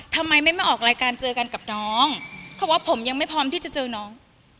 ทำไมไม่มาออกรายการเจอกันกับน้องเขาบอกว่าผมยังไม่พร้อมที่จะเจอน้อง